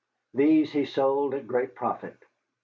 These he sold at great profit.